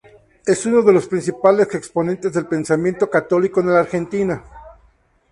Es uno de los principales exponentes del pensamiento católico en la Argentina.